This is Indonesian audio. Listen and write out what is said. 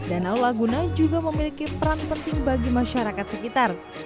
danau laguna juga memiliki peran penting bagi masyarakat sekitar